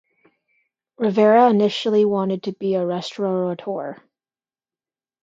Rivera initially wanted to be a restaurateur.